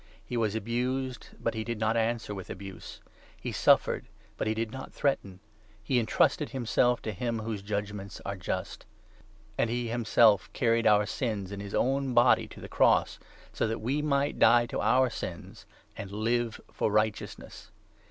He was abused, but he did not 23 answer with abuse ; he suffered, but he did not threaten ; he entrusted himself to him whose judgements are just. And he 24 ' himself carried our sins ' in his own body to the cross, so that we might die to our sins, and live for righteousness.